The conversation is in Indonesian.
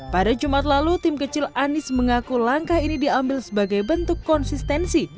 pada jumat lalu tim kecil anies mengaku langkah ini diambil sebagai bentuk konsistensi